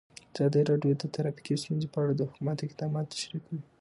ازادي راډیو د ټرافیکي ستونزې په اړه د حکومت اقدامات تشریح کړي.